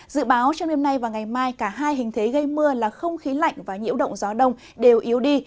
dự báo trong đêm nay và ngày mai cả hai hình thế gây mưa là không khí lạnh và nhiễu động gió đông đều yếu đi